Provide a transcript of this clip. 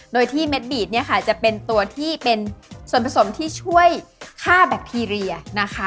โดยที่เม็ดบีดเนี่ยค่ะจะเป็นตัวที่เป็นส่วนผสมที่ช่วยฆ่าแบคทีเรียนะคะ